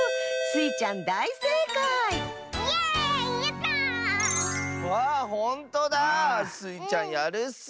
スイちゃんやるッス。